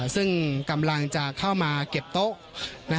ซึ่งกำลังจะเข้ามาเก็บโต๊ะ